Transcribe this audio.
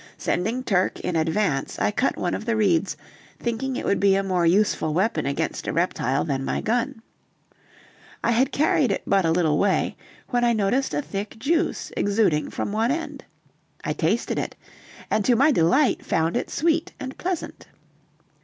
Sending Turk in advance, I cut one of the reeds, thinking it would be a more useful weapon against a reptile than my gun. I had carried it but a little way, when I noticed a thick juice exuding from one end. I tasted it, and to my delight found it sweet and pleasant.